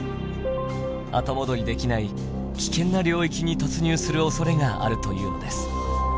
後戻りできない「危険な領域」に突入するおそれがあるというのです。